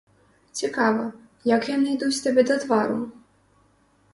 Цікава, як яны ідуць табе да твару?